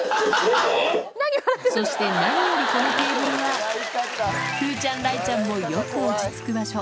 そして、何よりこのテーブルは、風ちゃん、雷ちゃんもよく落ち着く場所。